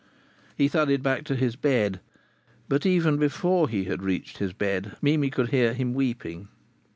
He thudded back to his bed. But even before he had reached his bed Mimi could hear him weeping.